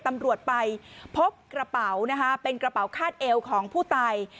ตำรวจไปพบกระเป๋านะคะเป็นกระเป๋าคาดเอวของผู้ตาย